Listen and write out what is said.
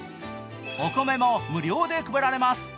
お米も無料で配られます。